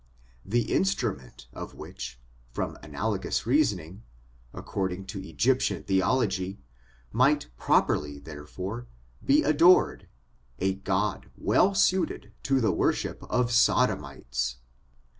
The instrument of which, from analagous reasoning, according to Egyptian theology, might properly, therefore, be adored, a god well suited to the worship of Sodomites.